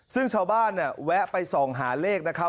ซึ่งชาวบ้านเนี่ยแวะไปส่องหาเลขนะครับ